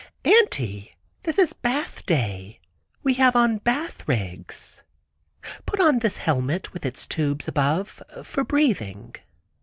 "Auntie, this is bathday. We have on bath rigs. Put on this helmet with its tubes above for breathing."